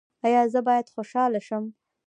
ایا زه باید خوشحاله شم؟